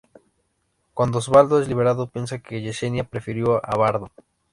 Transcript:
Cuando Osvaldo es liberado piensa que Yesenia prefirió a Bardo.